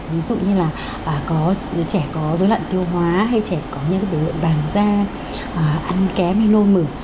ví dụ như là trẻ có dối lận tiêu hóa hay trẻ có những cái biểu hiện vàng da ăn kém hay lôi mử